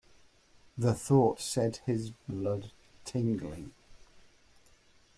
The thought set his blood tingling.